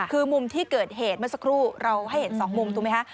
คือมุมที่เกิดเหตุเมื่อสักครู่เราให้เห็นสองมุมถูกไหมคะ